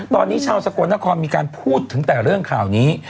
ตอนนี้ชาวสกลนครมีการพูดถึงแต่เรื่องข่าวนี้